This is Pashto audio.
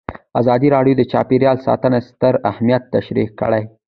ازادي راډیو د چاپیریال ساتنه ستر اهميت تشریح کړی.